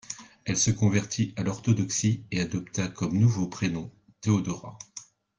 Elle se convertit à l'orthodoxie et adopta comme nouveau prénom Théodora.